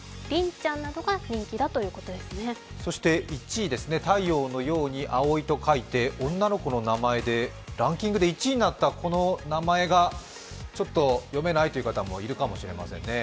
１位、太陽のように葵と書いて、女の子の名前でランキングで１位になったこの名前がちょっと読めないという方もいるかもしれませんね。